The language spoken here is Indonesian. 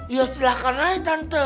ya silahkan aja tante